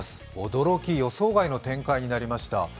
驚き、予想外の展開になりました。